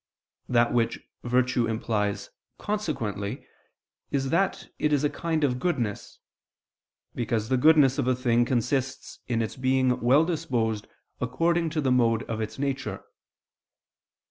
That which virtue implies consequently is that it is a kind of goodness: because the goodness of a thing consists in its being well disposed according to the mode of its nature.